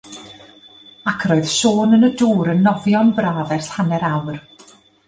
Ac yr oedd Siôn yn y dŵr yn nofio yn braf ers hanner awr.